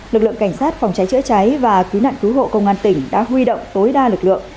lực lượng cảnh sát phòng cháy chữa cháy và cứu nạn cứu hộ công an tỉnh đã huy động tối đa lực lượng